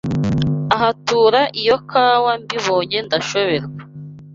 Ahatura iyo kawa Mbibonye ndashoberwa